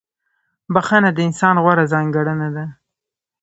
• بخښنه د انسان غوره ځانګړنه ده.